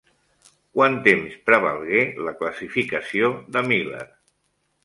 Quant temps prevalgué la classificació de Miller?